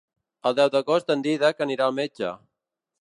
El deu d'agost en Dídac anirà al metge.